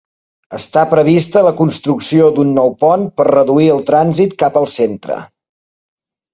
Està prevista la construcció d'un nou pont per reduir el trànsit cap al centre.